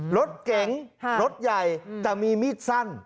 รถเก๋งรถใหญ่แต่มีมีดสั้น